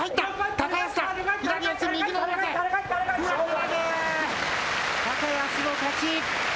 高安の勝ち。